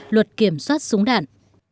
luật kiểm soát súng đạn